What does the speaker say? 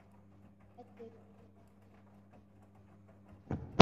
التاريخ الياباني هو موضوعي المفضل.